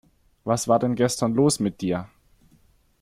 Was war denn gestern los mit dir?